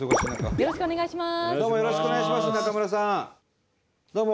よろしくお願いします。